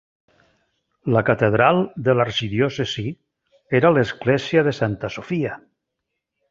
La catedral de l'arxidiòcesi era l'església de Santa Sofia.